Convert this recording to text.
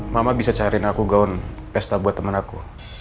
mama bisa carin aku gaun pesta buat temen aku